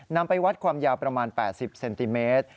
นำไปวัดความยาวประมาณ๘๐เซนติเมตร